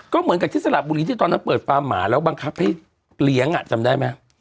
ก็เหมือนกับที่สระบุรีที่ตอนนั้นเปิดฟาร์มหมาแล้วบังคับให้เลี้ยงจำได้ไหม